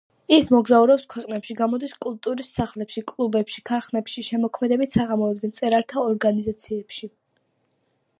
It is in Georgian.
ის მოგზაურობს ქვეყანაში, გამოდის კულტურის სახლებში, კლუბებში, ქარხნებში, შემოქმედებით საღამოებზე მწერალთა ორგანიზაციებში.